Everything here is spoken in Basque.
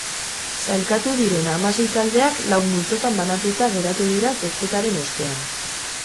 Sailkatu diren hamasei taldeak lau multzotan banatuta geratu dira zozketaren ostean.